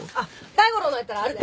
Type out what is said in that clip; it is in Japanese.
大五郎のやったらあるで。